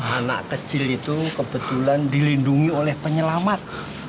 anak kecil itu kebetulan dilindungi oleh penyelamat